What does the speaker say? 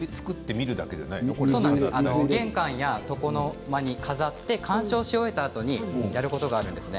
玄関や床の間に飾って鑑賞し終えたあとにやることがあるんですね。